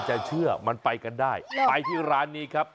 แล้วไปที่ร้านนี้ครับ